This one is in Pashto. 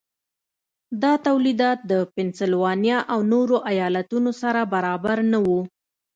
دا تولیدات د پنسلوانیا او نورو ایالتونو سره برابر نه وو.